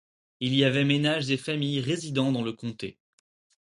Il y avait ménages et familles résidant dans le comté.